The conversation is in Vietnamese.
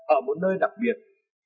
ở một nơi đặc biệt